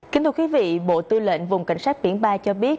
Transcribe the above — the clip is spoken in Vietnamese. kính thưa quý vị bộ tư lệnh vùng cảnh sát biển ba cho biết